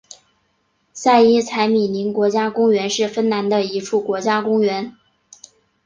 塞伊采米宁国家公园是芬兰的一处国家公园。